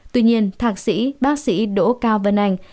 tuy nhiên thạc sĩ bác sĩ đỗ cao vân anh